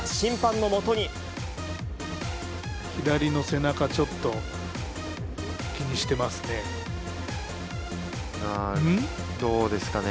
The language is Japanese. すると、左の背中、ちょっと気にしてますね。